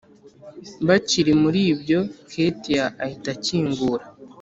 bakiri muribyo ketiya ahita akingura...